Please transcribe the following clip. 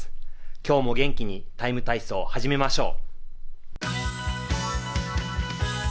今日も元気に「ＴＩＭＥ，体操」始めましょう。